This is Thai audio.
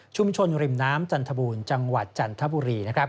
ชุมชนริมน้ำจันทบุญจังหวัดจันทบุรี